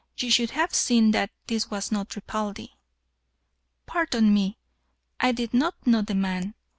You should have seen that this was not Ripaldi." "Pardon me. I did not know the man.